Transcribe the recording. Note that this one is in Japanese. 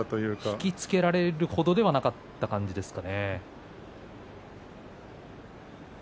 引き付けられる程ではなかったんですかね。